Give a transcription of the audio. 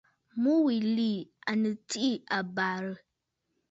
Mû wilì à nɨ tsiʼ ì àbə̀rə̀.